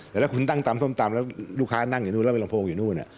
แต่ถ้าคุณนั่งตำส้มตำแล้วลูกค้านั่งอยู่นู้นแล้วไปลำโพงอยู่นู่น